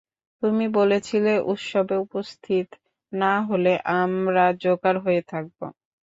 তুমি বলেছিলে উৎসবে উপস্থিত না হলে আমরা জোকার হয়ে থাকব।